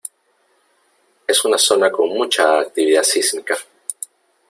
Es una zona con mucha actividad sísmica.